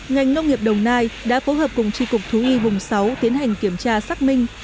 ngành nông nghiệp đồng nai đã phối hợp cùng tri cục thú y vùng sáu tiến hành kiểm tra xác minh